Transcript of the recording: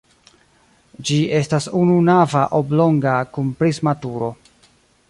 Ĝi estas ununava oblonga kun prisma turo.